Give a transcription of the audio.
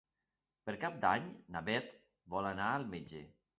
Per Cap d'Any na Bet vol anar al metge.